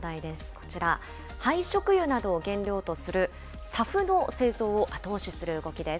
こちら、廃食油などを原料とするＳＡＦの製造を後押しする動きです。